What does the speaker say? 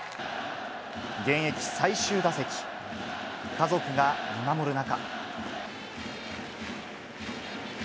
現役最終打席、家族が見守る中。